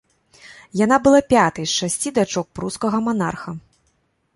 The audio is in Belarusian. Яна была пятай з шасці дачок прускага манарха.